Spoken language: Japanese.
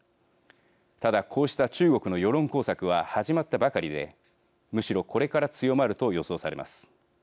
ただ、こうした中国の世論工作は始まったばかりで、むしろこれから強まると予想されます。